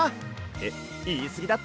えっいいすぎだって？